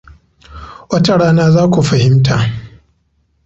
Wata rana za ku fahimta.